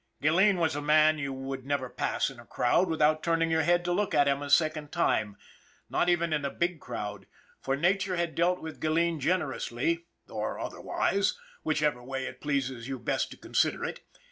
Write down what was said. Gilleen was a man you would never pass in a crowd without turning your head to look at him a second THE BLOOD OF KINGS 185 time, not even in a big crowd, for nature had dealt with Gilleen generously or otherwise whichever way it pleases you best to consider it.